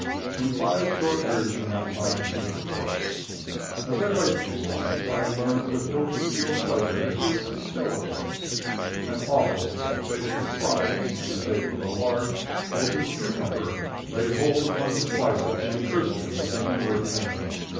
In five short years from that time he was a corpse. As I write these lines, I learn with ill concealed pleasure that he is still a corpse. An awful dispensation of Providence, in the shape of a large, wilted cucumber, laid hold upon his vitals and cursed him with an inward pain.